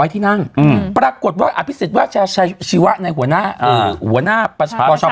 ที่นั่งอืมปรากฏว่าอภิษฐว่าชาชีวะในหัวหน้าอืมหัวหน้าประชาปรขนาดนั้น